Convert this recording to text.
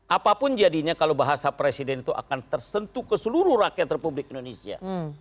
apapun jadinya kalau bahasa presiden itu akan tersentuh ke seluruh rakyat republik indonesia